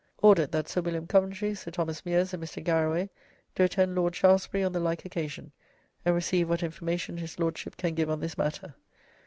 'Ordered that Sir William Coventry, Sir Thomas Meeres, and Mr. Garraway do attend Lord Shaftesbury on the like occasion, and receive what information his Lordship, can give on this matter.'"